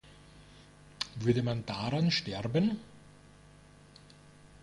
Würde man daran sterben?